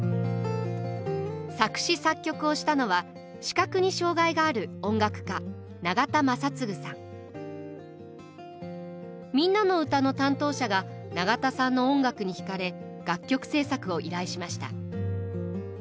作詞作曲をしたのは視覚に障害がある音楽家「みんなのうた」の担当者が永田さんの音楽に惹かれ楽曲制作を依頼しました。